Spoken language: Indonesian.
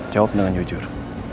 jawab dengan jujur